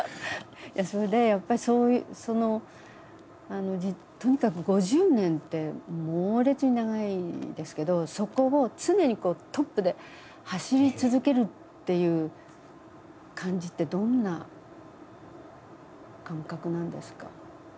それでやっぱりそのとにかく５０年って猛烈に長いですけどそこを常にこうトップで走り続けるっていう感じってどんな感覚なんですか？